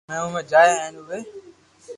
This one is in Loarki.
۾ آوي جائي ھي ھين اووي